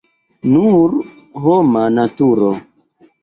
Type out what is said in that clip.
Nur homa naturo.